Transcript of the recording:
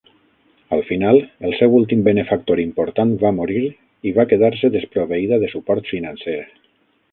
Al final, el seu últim benefactor important va morir i va quedar-se desproveïda de suport financer.